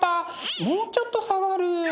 もうちょっと下がる。